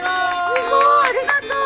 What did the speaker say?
すごいありがとう！